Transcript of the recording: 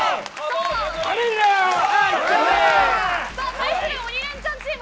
対する鬼レンチャンチーム